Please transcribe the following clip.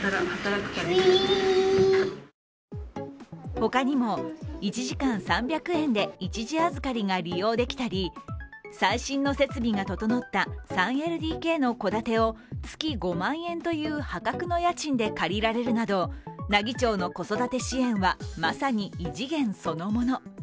他にも１時間３００円で一時預かりが利用できたり、最新の設備が整った３ＬＤＫの戸建てを月５万円という破格の家賃で借りられるなど奈義町の子育て支援は、まさに異次元そのもの。